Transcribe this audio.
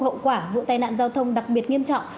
hậu quả vụ tai nạn giao thông đặc biệt nghiêm trọng